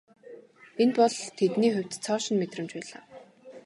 Энэ бол тэдний хувьд цоо шинэ мэдрэмж байлаа.